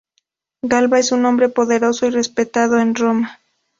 Galba es un hombre poderoso y respetado en Roma.